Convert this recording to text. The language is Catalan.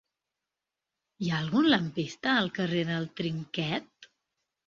Hi ha algun lampista al carrer del Trinquet?